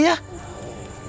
ya ada deh